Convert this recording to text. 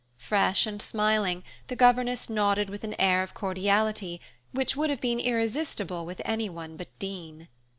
Fresh and smiling, the governess nodded with an air of cordiality which would have been irresistible with anyone but Dean.